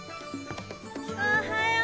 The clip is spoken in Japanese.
おはよう